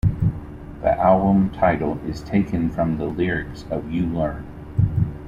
The album title is taken from the lyrics of "You Learn".